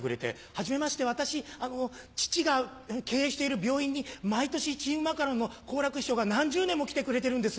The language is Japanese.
「はじめまして私父が経営している病院に毎年チームマカロンの好楽師匠が何十年も来てくれてるんです」